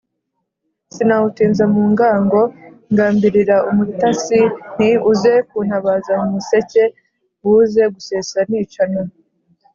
sinawutinza mu ngango, ngambilira umutasi nti: uze kuntabaza mu museke buze gusesa nicana.